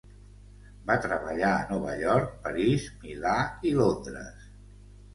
Va treballar a Nova York, París, Milà i Londres.